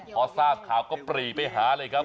พอทราบข่าวก็ปรีไปหาเลยครับ